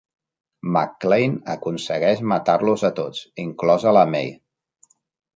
McClane aconsegueix matar-los a tots, inclosa la Mai.